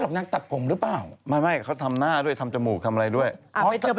ตอนนั้นกลับมาหน้าหล่อมาก